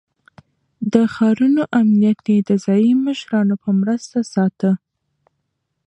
د ښارونو امنيت يې د ځايي مشرانو په مرسته ساته.